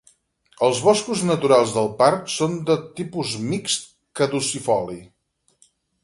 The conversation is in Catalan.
Els boscos naturals del parc són de tipus mixt caducifoli.